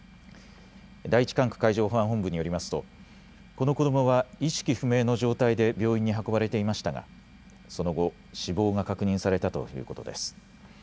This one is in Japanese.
第１管区海上保安本部によりますとこの子どもは意識不明の状態で病院に運ばれていましたがその後、死亡が確認されたということです。